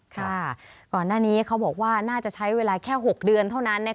ก่อนหน้านี้เขาบอกว่าน่าจะใช้เวลาแค่๖เดือนเท่านั้น